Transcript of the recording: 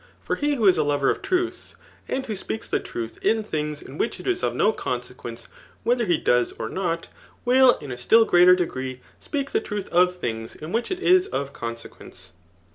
For be who » a lover of truths and wfaiy dpeakfi die mith in things m which it iaof no conseqeeRoe whether he does or nor, ^vrill in a still greater degree speak the truth in things in wlttch it is of eoaseqiience.